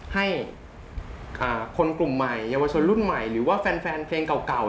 ให้คนกลุ่มใหม่เยาวชนรุ่นใหม่หรือว่าแฟนเพลงเก่า